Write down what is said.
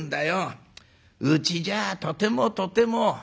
うちじゃあとてもとても。